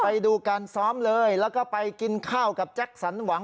ไปดูการซ้อมเลยแล้วก็ไปกินข้าวกับแจ็คสันหวัง